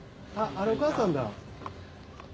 あれお母さんだ。